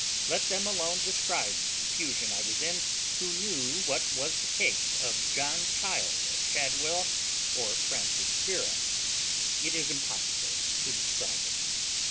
Let them alone describe the confusion I was in who know what was the case of [John] Child, of Shadwell, or Francis Spira. It is impossible to describe it.